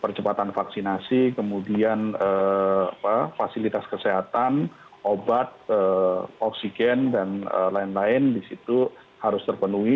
percepatan vaksinasi kemudian fasilitas kesehatan obat oksigen dan lain lain di situ harus terpenuhi